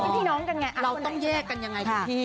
เป็นพี่น้องกันไงเราต้องแยกกันยังไงคุณพี่